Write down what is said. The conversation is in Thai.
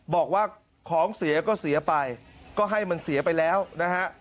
บอกว่าของเสียก็เสียไปก็ให้มันเสียไปแล้วนะฮะ